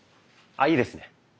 あいいですね。